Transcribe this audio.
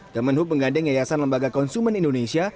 kemenhub menggandeng yayasan lembaga konsumen indonesia